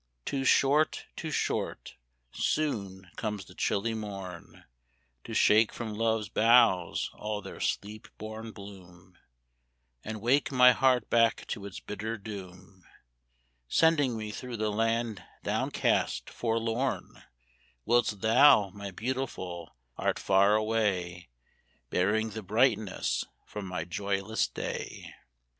Too short too short soon comes the chilly morn, To shake from love's boughs all their sleep born bloom, And wake my heart back to its bitter doom, Sending me through the land down cast, forlorn, Whilst thou, my Beautiful, art far away, Bearing the brightness from my joyless day.